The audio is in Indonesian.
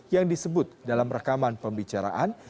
yang disebut dalam rekaman pembicaraan